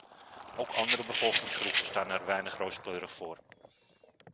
Ook andere bevolkingsgroepen staan er weinig rooskleurig voor.